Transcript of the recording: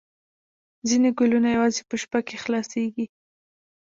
ځینې ګلونه یوازې په شپه کې خلاصیږي